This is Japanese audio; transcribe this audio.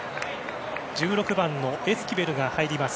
１６番のエスキベルが入ります。